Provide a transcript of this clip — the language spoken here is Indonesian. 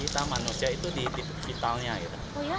di wargaalan untuk gelsi kita bahma juga